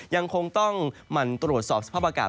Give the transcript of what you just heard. ยังคงต้องหมั่นตรวจสอบสภาพอากาศ